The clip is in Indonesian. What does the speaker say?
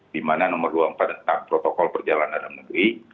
di mana nomor dua puluh empat tentang protokol perjalanan dalam negeri